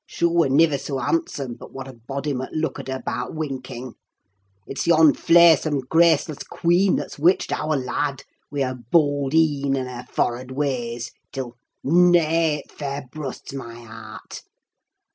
Shoo wer niver soa handsome, but what a body mud look at her 'bout winking. It's yon flaysome, graceless quean, that's witched our lad, wi' her bold een and her forrard ways—till—Nay! it fair brusts my heart!